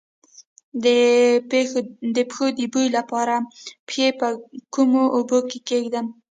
د پښو د بوی لپاره پښې په کومو اوبو کې کیږدم؟